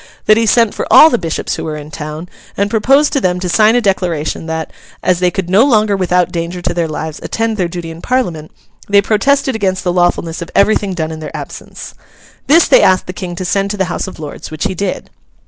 '—that he sent for all the Bishops who were in town, and proposed to them to sign a declaration that, as they could no longer without danger to their lives attend their duty in Parliament, they protested against the lawfulness of everything done in their absence. This they asked the King to send to the House of Lords, which he did.